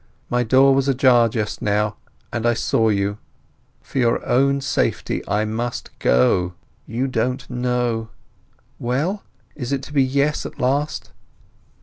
My door was ajar just now, and I saw you. For your own safety I must go. You don't know. Well? Is it to be yes at last?"